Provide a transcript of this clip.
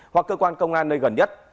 hoặc cơ quan công an nơi gần nhất